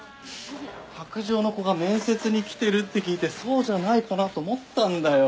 白杖の子が面接に来てるって聞いてそうじゃないかなと思ったんだよ。